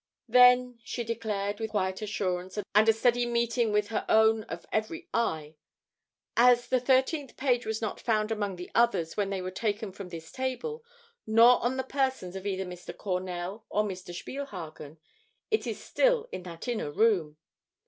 "Then," she declared, with quiet assurance and a steady meeting with her own of every eye, "as the thirteenth page was not found among the others when they were taken from this table, nor on the persons of either Mr. Cornell or Mr. Spielhagen, it is still in that inner room."